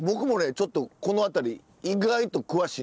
ちょっとこの辺り意外と詳しいんですよ。